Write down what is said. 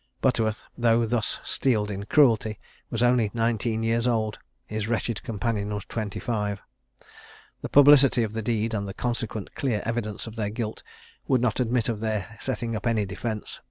Butterworth, though thus steeled in cruelty, was only nineteen years old; his wretched companion was twenty five. The publicity of the deed, and the consequent clear evidence of their guilt, would not admit of their setting up any defence.